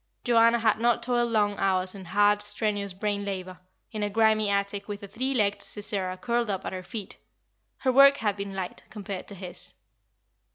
Joanna had not toiled long hours in hard, strenuous brain labour, in a grimy attic, with a three legged Sisera curled up at her feet; her work had been light, compared to his.